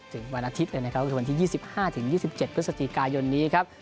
ถึงวันอาทิตย์เลยนะครับก็คือวันที่ยี่สิบห้าถึงยี่สิบเจ็ดพฤษฎีกายนนี้ครับ